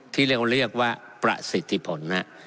ที่เรียกว่าประสิทธิผลนะ